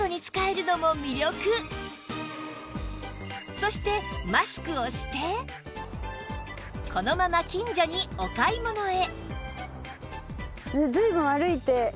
そしてマスクをしてこのまま近所にお買い物へ